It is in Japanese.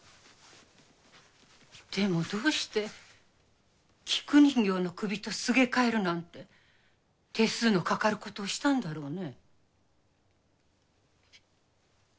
でもどうして菊人形の首とすげかえるなんて手数のかかることをしたんだろうね。